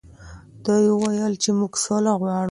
دوی وویل چې موږ سوله غواړو.